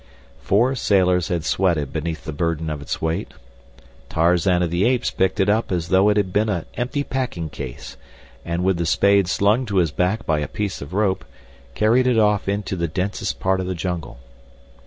Four sailors had sweated beneath the burden of its weight—Tarzan of the Apes picked it up as though it had been an empty packing case, and with the spade slung to his back by a piece of rope, carried it off into the densest part of the jungle.